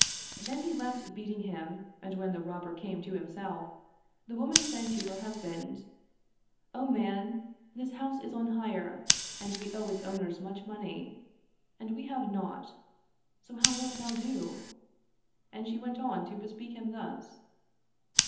Then he left beating him and when the Robber came to himself, the woman said to her husband, " O man, this house is on hire and we owe its owners much money, and we have naught; so how wilt thou do? " And she went on to bespeak him thus.